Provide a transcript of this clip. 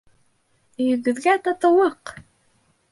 Өйөгөҙгә татыулыҡ!